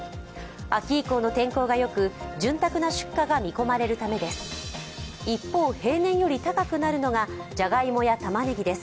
秋以降の天候がよく、潤沢な出荷が見込まれるためです。